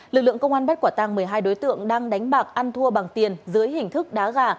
lực lượng công an bắt quả tăng một mươi hai đối tượng đang đánh bạc ăn thua bằng tiền dưới hình thức đá gà